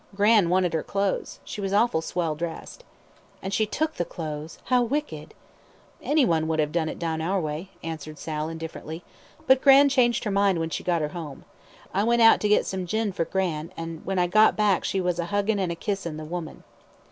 "Gran' wanted her clothes; she was awful swell dressed." "And she took the clothes how wicked!" "Anyone would have done it down our way," answered Sal, indifferently; "but Gran' changed her mind when she got her home. I went out to get some gin for Gran', and when I came back she was huggin' and kissin' the woman."